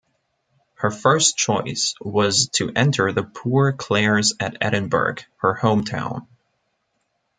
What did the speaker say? Her first choice was to enter the Poor Clares at Edinburgh, her hometown.